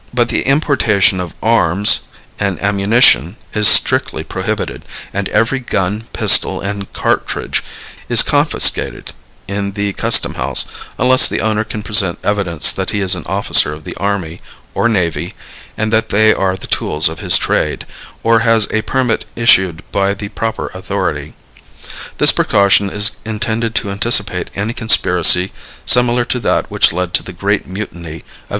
But the importation of arms and ammunition is strictly prohibited and every gun, pistol and cartridge is confiscated in the custom house unless the owner can present evidence that he is an officer of the army or navy and that they are the tools of his trade, or has a permit issued by the proper authority. This precaution is intended to anticipate any conspiracy similar to that which led to the great mutiny of 1857.